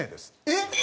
えっ！